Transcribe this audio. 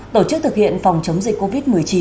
tổ chức thực hiện phòng chống dịch covid một mươi chín